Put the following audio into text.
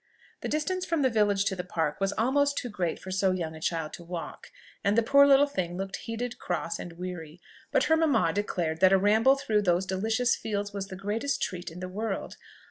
The distance from the village to the Park was almost too great for so young a child to walk, and the poor little thing looked heated, cross, and weary; but her mamma declared that a ramble through those delicious fields was the greatest treat in the world.